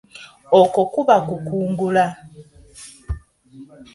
Okwo kuba kukungula.